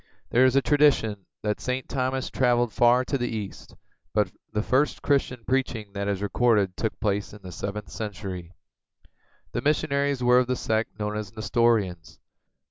There is a tradition that St. Thomas traveled far to the east, but the first Christian preaching that is recorded took place in the seventh century. The missionaries were of the sect known as Nestorians.